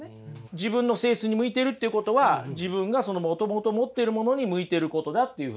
自分の性質に向いているっていうことは自分がもともと持ってるものに向いてることだっていうふうに。